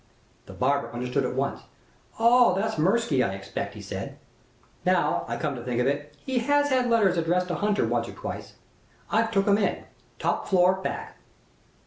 "The barber understood at once. 'Oh, that's Mirsky, I expect,' he said. 'Now, I come to think of it, he has had letters addressed to Hunter once or twice; I've took 'em in. Top floor back.'